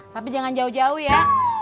tapi jangan jauh jauh ya